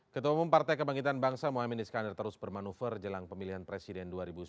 ketua umum partai kebangkitan bangsa mohaimin iskandar terus bermanuver jelang pemilihan presiden dua ribu sembilan belas